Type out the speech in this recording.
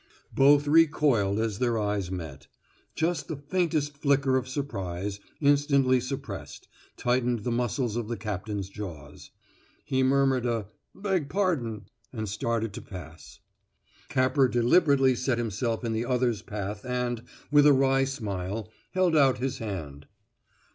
Both recoiled as their eyes met. Just the faintest flicker of surprise, instantly suppressed, tightened the muscles of the captain's jaws. He murmured a "Beg pardon" and started to pass. Capper deliberately set himself in the other's path and, with a wry smile, held out his hand.